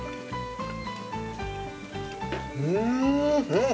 うん。